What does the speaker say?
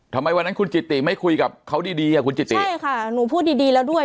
ทำไมวันนั้นคุณจิติไม่คุยกับเขาดีดีอ่ะคุณจิติใช่ค่ะหนูพูดดีดีแล้วด้วย